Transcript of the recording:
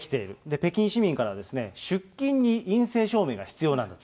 北京市民から出勤に陰性証明が必要なんだと。